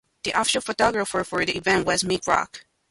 The official photographer for the event was Mick Rock.